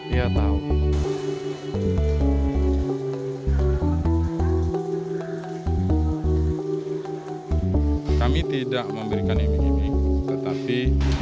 ia tahu kami tidak memberikan ini tetapi